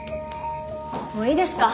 もういいですか？